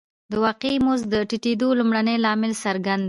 د واقعي مزد د ټیټېدو لومړنی لامل څرګند دی